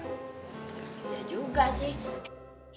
iya juga sih